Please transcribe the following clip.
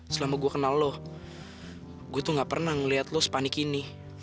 selama gue kenal lo gue tuh gak pernah ngeliat lo se panik ini